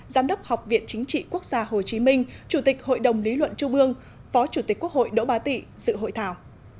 giám đốc học viện chính trị quốc gia hồ chí minh chủ tịch hội đồng lý luận trung ương phó chủ tịch quốc hội đỗ ba tị dự hội thảo